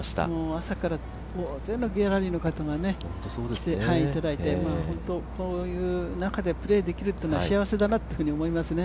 朝から大勢のギャラリーの方に来ていただいて、本当、こういう中でプレーできるっていうのは幸せだなっていうふうに思いますね。